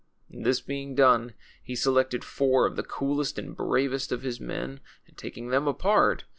This being done, he selected four of the coolest and bravest of his men, and taking them apart